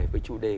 với chủ đề